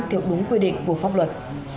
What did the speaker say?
theo đúng quy định vụ pháp luật